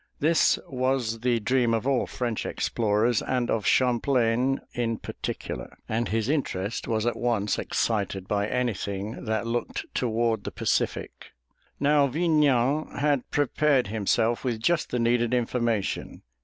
This was the dream of all French explorers, and of Champlain in particular, and his interest was at once excited by anything that looked toward the Pacific. Now Vignan had prepared himself with just the needed information.